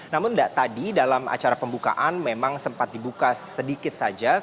namun tidak tadi dalam acara pembukaan memang sempat dibuka sedikit saja